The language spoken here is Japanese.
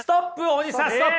大西さんストップ。